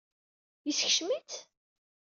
Yeskcem-itt?